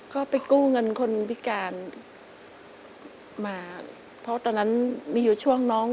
ก็ไปกู้เงินคนพิการมาเพราะตอนนั้นมีอยู่ช่วงน้อง